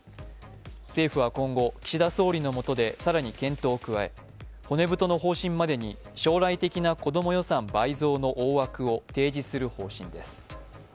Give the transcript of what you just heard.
政府は今後、岸田総理のもとで更に検討を加え、骨太の方針までに将来的なこども予算倍増の大枠を提示する方針です。